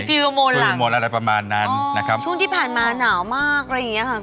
ฟิลโมอะไรประมาณนั้นนะครับช่วงที่ผ่านมาหนาวมากอะไรอย่างเงี้ยค่ะ